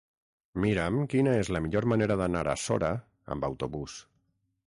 Mira'm quina és la millor manera d'anar a Sora amb autobús.